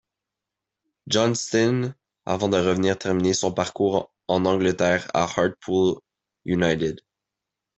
Johnstone avant de revenir terminer son parcours en Angleterre à Hartlepool United.